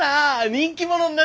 人気者な。